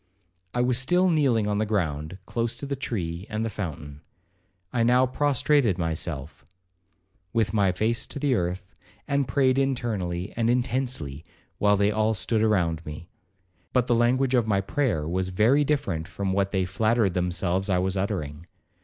I was still kneeling on the ground, close to the tree and the fountain. I now prostrated myself, with my face to the earth, and prayed internally and intensely, while they all stood around me; but the language of my prayer was very different from what they flattered themselves I was uttering.